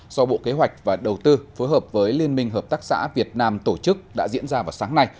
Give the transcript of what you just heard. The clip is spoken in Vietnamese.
do bộ kế hoạch và đầu tư phối hợp với liên minh hợp tác xã việt nam tổ chức đã diễn ra vào sáng nay